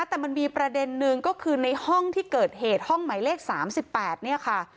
แต่มันมีประเด็นนึงก็คือในห้องที่เกิดเหตุห้องหมายเลข๓๘เนี่ยค่ะ